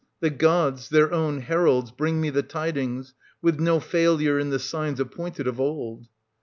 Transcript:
The gods, their own heralds, bring me the tidings, with no failure in the signs appointed of old.